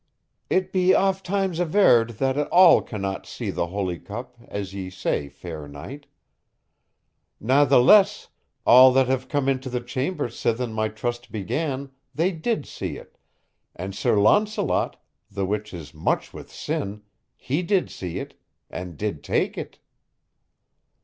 "It be ofttimes averred that all cannot see the Holy Cup, as ye say, fair knight. Natheless, all that have come unto the chamber sithen my trust began, they did see it, and Sir Launcelot, the which is much with sin, he did see it and did take it."